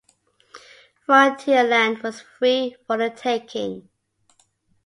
Frontier land was free for the taking.